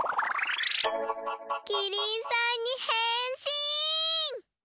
キリンさんにへんしん！